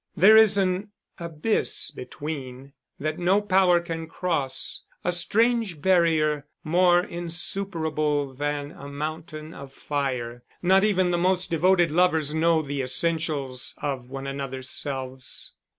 _ There is an abyss between, that no power can cross, a strange barrier more insuperable than a mountain of fire. Not even the most devoted lovers know the essentials of one another's selves.